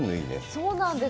そうなんです。